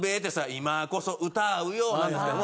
今こそ歌うよ」なんですけども。